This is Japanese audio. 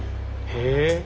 へえ！